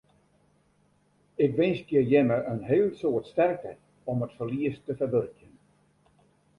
Ik winskje jimme in heel soad sterkte om it ferlies te ferwurkjen.